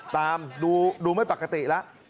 ตามดูไม่ปกติละ